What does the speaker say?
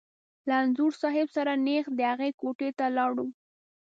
له انځور صاحب سره نېغ د هغه کوټې ته لاړو.